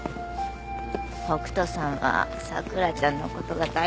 北斗さんは桜ちゃんの事が大事なんだよ。